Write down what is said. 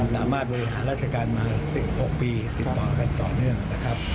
สามารถบริหารราชการมา๑๖ปีติดต่อกันต่อเนื่องนะครับ